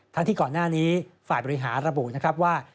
ทั้งที่ก่อนหน้านี้ฝ่ายบริหารระบุนะครับว่า